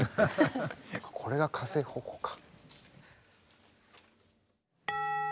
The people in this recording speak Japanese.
これが火星歩行か。